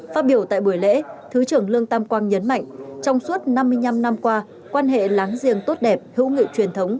phát biểu tại buổi lễ thứ trưởng lương tam quang nhấn mạnh trong suốt năm mươi năm năm qua quan hệ láng giềng tốt đẹp hữu nghị truyền thống